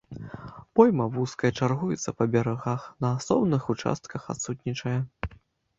Пойма вузкая, чаргуецца па берагах, на асобных участках адсутнічае.